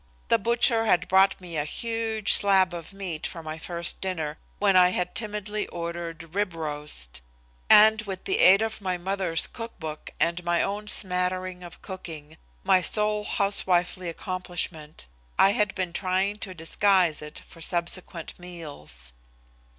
The butcher had brought me a huge slab of meat for my first dinner when I had timidly ordered "rib roast," and with the aid of my mother's cook book and my own smattering of cooking, my sole housewifely accomplishment, I had been trying to disguise it for subsequent meals.